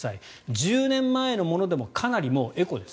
１０年前のものでもかなりエコです。